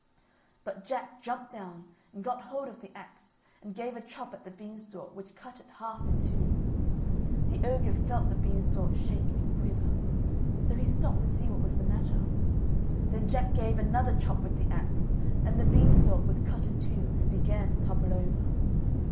But Jack jumped down and got hold of the axe and gave a chop at the beanstalk which cut it half in two. The ogre felt the beanstalk shake and quiver so he stopped to see what was the matter. Then Jack gave another chop with the axe, and the beanstalk was cut in two and began to topple over.